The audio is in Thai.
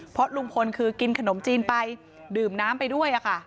เพราะลุงพลคือกินขนมจีนไปดื่มน้ำไปด้วยค่ะ